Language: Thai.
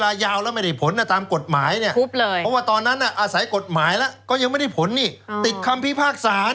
อ่ะไม่เป็นทีมป้าค่ะอะ